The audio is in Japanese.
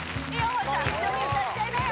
本ちゃん一緒に歌っちゃいなよ